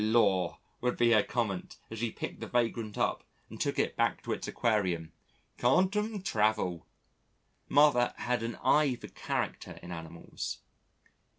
"Lor'!" would be her comment as she picked the vagrant up and took it back to its aquarium, "can't 'em travel?" Martha had an eye for character in animals.